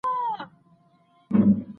د روژې په میاشت کي له بیوزلو سره مرسته کیده.